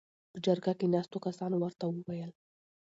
.په جرګه کې ناستو کسانو ورته ووېل: